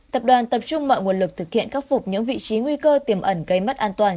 tập đoàn tập trung mọi nguồn lực thực hiện khắc phục những vị trí nguy cơ tiềm ẩn gây mất an toàn